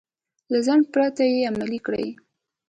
له ځنډ پرته يې عملي کړئ.